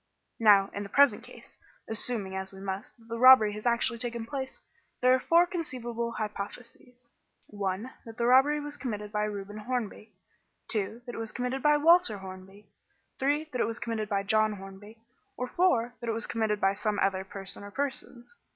"Now, in the present case, assuming, as we must, that the robbery has actually taken place, there are four conceivable hypotheses: (1) that the robbery was committed by Reuben Hornby; (2) that it was committed by Walter Hornby; (3) that it was committed by John Hornby, or (4) that it was committed by some other person or persons.